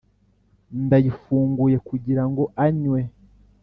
ndayifunguye, kugirango anywe.